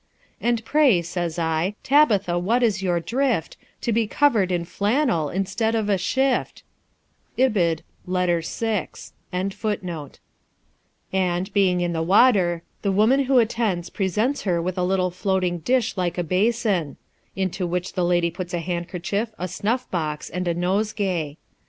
' And pray,' says I, 'Tabitha, what is your drift, To be cover'd in flannel instead of a shift ?'" Ibul. (Letter VI.) LIFE OF RICHARD NASH. 59 attends presents her with a little floating dish like a basin ; into which the lady puts a handkerchief, a snuff box, and a nosegay.